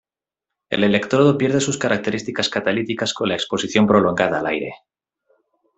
El electrodo pierde sus características catalíticas con la exposición prolongada al aire.